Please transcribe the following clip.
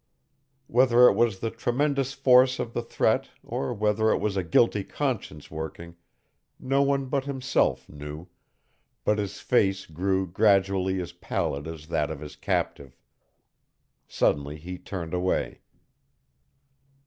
Whether it was the tremendous force of the threat or whether it was a guilty conscience working, no one but himself knew, but his face grew gradually as pallid as that of his captive. Suddenly he turned away.